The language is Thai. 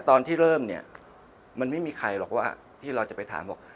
ตอนที่เริ่มเนี่ยมันไม่มีใครหรอกว่าที่เราจะไปถามบอก